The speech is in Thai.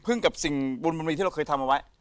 พึ่งกับสิ่งบุญมันมีที่เราเคยทำมาไว้